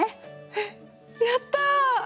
えっやった！